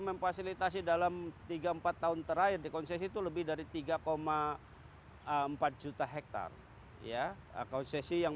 memfasilitasi dalam tiga puluh empat tahun terakhir dikonsesi itu lebih dari tiga empat juta hektare ya konsesi yang